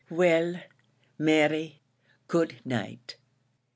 "Well, Mary, good night!